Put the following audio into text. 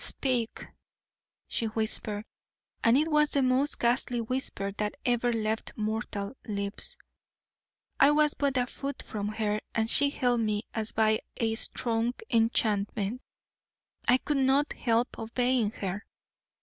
"Speak," she whispered, and it was the most ghastly whisper that ever left mortal lips. I was but a foot from her and she held me as by a strong enchantment. I could not help obeying her.